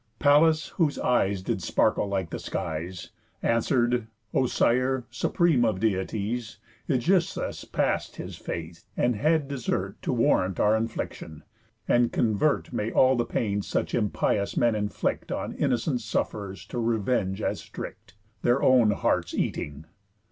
Pallas, whose eyes did sparkle like the skies, Answer'd: "O Sire! Supreme of Deities, Ægisthus pass'd his fate, and had desert To warrant our infliction; and convert May all the pains such impious men inflict On innocent suff'rers to revenge as strict, Their own hearts eating.